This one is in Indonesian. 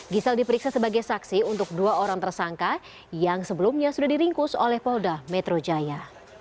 gisel diperiksa sebagai saksi untuk dua orang tersangka yang sebelumnya sudah diringkus oleh polda metro jaya